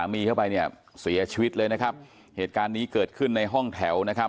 มีเข้าไปเนี่ยเสียชีวิตเลยนะครับเหตุการณ์นี้เกิดขึ้นในห้องแถวนะครับ